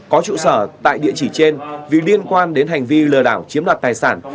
có trụ sở tại địa chỉ trên vì liên quan đến hành vi lừa đảo chiếm đoạt tài sản